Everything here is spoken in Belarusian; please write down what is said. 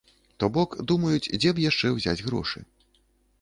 То бок, думаюць, дзе б яшчэ ўзяць грошы.